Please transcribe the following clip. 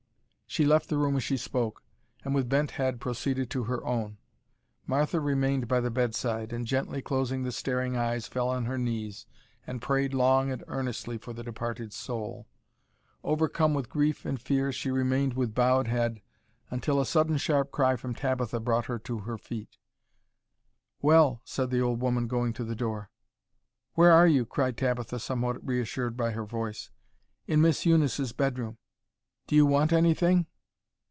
She left the room as she spoke, and with bent head proceeded to her own. Martha remained by the bedside, and gently closing the staring eyes, fell on her knees, and prayed long and earnestly for the departed soul. Overcome with grief and fear she remained with bowed head until a sudden sharp cry from Tabitha brought her to her feet. "Well," said the old woman, going to the door. "Where are you?" cried Tabitha, somewhat reassured by her voice. "In Miss Eunice's bedroom. Do you want anything?"